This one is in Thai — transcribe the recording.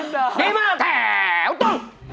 ดีมากแถวตรง